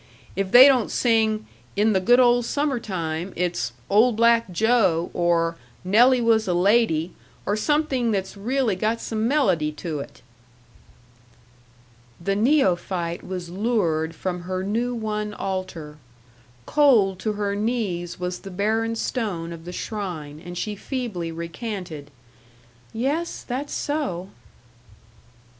If they don't sing, 'In the Good Old Summer Time,' it's 'Old Black Joe,' or 'Nelly Was a Lady,' or something that's really got some melody to it." The neophyte was lured from her new won altar. Cold to her knees was the barren stone of the shrine; and she feebly recanted, "Yes, that's so."